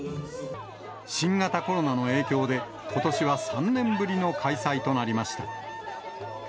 新型コロナの影響で、ことしは３年ぶりの開催となりました。